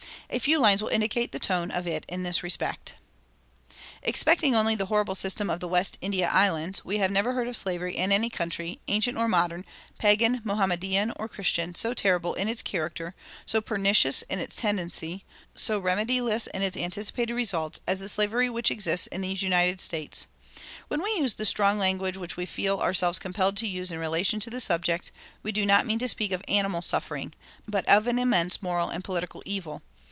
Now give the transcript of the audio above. A few lines will indicate the tone of it in this respect: "Excepting only the horrible system of the West India Islands, we have never heard of slavery in any country, ancient or modern, pagan, Mohammedan, or Christian, so terrible in its character, so pernicious in its tendency, so remediless in its anticipated results, as the slavery which exists in these United States.... When we use the strong language which we feel ourselves compelled to use in relation to this subject, we do not mean to speak of animal suffering, but of an immense moral and political evil....